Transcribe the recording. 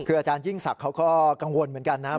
คืออาจารยิ่งศักดิ์เขาก็กังวลเหมือนกันนะครับ